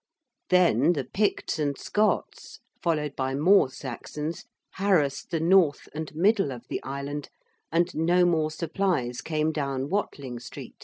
Then the Picts and Scots, followed by more Saxons, harassed the north and middle of the island, and no more supplies came down Watling Street.